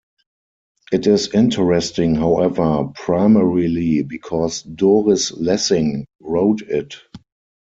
It is interesting, however, primarily because Doris Lessing wrote it.